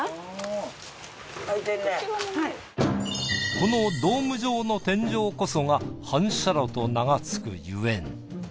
このドーム状の天井こそが反射炉と名がつくゆえん。